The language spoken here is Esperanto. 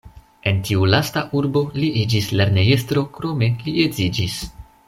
En tiu lasta urbo li iĝis lernejestro, krome li edziĝis.